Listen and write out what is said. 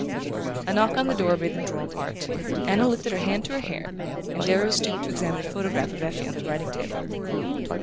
A knock on the door made them draw apart. Anna lifted her hand to her hair and Darrow stooped to examine a photograph of Effie on the writing table.